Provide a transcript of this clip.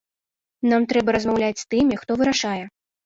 Нам трэба размаўляць з тымі, хто вырашае.